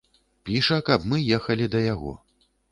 Піша, каб мы ехалі да яго.